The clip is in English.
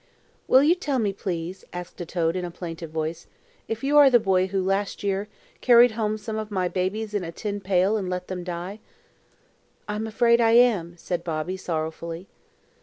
"Will you tell me, please," asked a toad in a plaintive voice, "if you are the boy who, last year, carried home some of my babies in a tin pail and let them die?" "I'm afraid I am," said Bobby, sorrowfully.